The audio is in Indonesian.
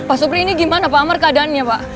pak supri ini gimana pak amar keadaannya pak